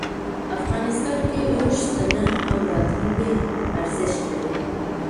افغانستان کې اوښ د نن او راتلونکي ارزښت لري.